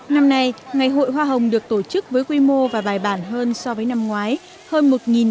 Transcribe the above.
năm nay ngày hội hoa hồng được tổ chức với quy mô và bài bản hơn so với năm ngoái hơn